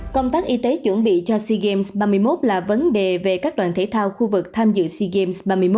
công tác y tế chuẩn bị cho sea games ba mươi một là vấn đề về các đoàn thể thao khu vực tham dự sea games ba mươi một